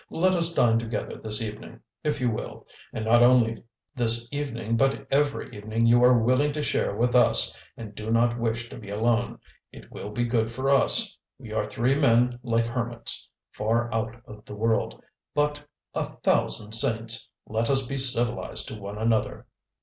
Let us dine together this evening, if you will, and not only this evening but every evening you are willing to share with us and do not wish to be alone. It will be good for us. We are three men like hermits, far out of the world, but a thousand saints! let us be civilised to one another!"